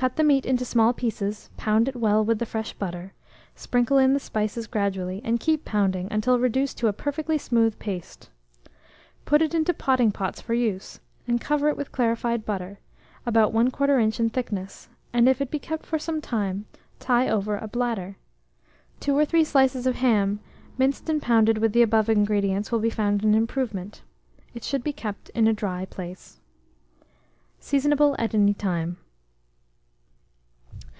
Cut the meat into small pieces, pound it well with the fresh butter, sprinkle in the spices gradually, and keep pounding until reduced to a perfectly smooth paste. Put it into potting pots for use, and cover it with clarified butter, about 1/4 inch in thickness, and, if to be kept for some time, tie over a bladder: 2 or 3 slices of ham, minced and pounded with the above ingredients, will be found an improvement. It should be kept in a dry place. Seasonable at any time.